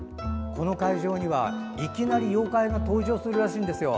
この会場には、いきなり妖怪が登場するらしいんですよ。